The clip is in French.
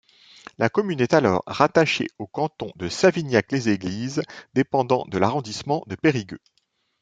La commune est alors rattachée au canton de Savignac-les-Églises dépendant de l'arrondissement de Périgueux.